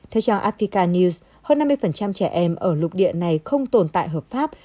theo cho africa news hơn năm mươi trẻ em ở lục địa này không tồn tại hợp pháp